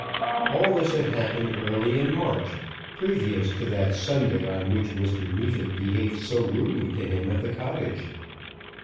All this had happened early in March, previous to that Sunday on which Mr. Neefit behaved so rudely to him at the cottage.